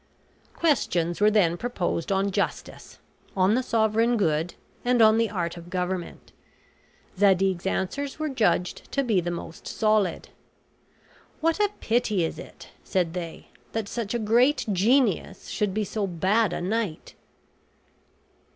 Questions were then proposed on justice, on the sovereign good, and on the art of government. Zadig's answers were judged to be the most solid. "What a pity is it," said they, "that such a great genius should be so bad a knight!"